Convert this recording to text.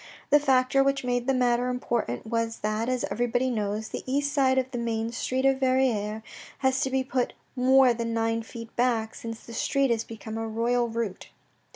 The factor which made the matter important was that, as everybody knows, the east side of the main street of Verrieres has to be put more than nine feet back since that street has become a royal route.